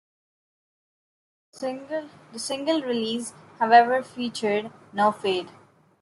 The single release, however, featured no fade.